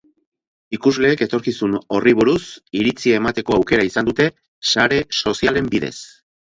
Ikusleek etorkizun horri buruz iritzia emateko aukera izan dute, sare sozialen bidez.